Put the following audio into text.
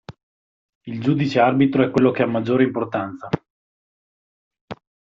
Il giudice arbitro è quello che ha maggiore importanza.